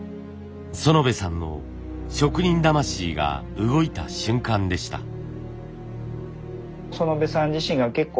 薗部さんの職人魂が動いた瞬間でした。